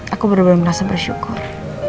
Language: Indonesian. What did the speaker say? aku bener bener merasa bersyukur